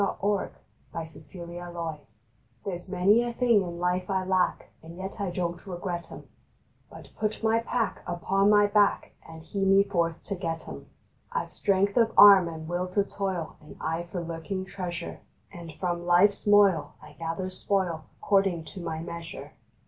December Ninth EARNINGS HPHERE S many a thing in life I lack, And yet I don t regret em, But put my pack Upon my back And hie me forth to get em. I ve strength of arm, and will to toil, And eye for lurking treasure, And from life s moil I gather spoil According to my measure.